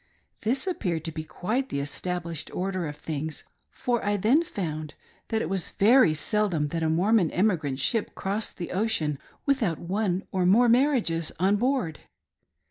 This appeared to be quite the established order of things, for I then found that it was very seldom that a Mormon emigrant ship crossed the ocean without one or more marriages on board.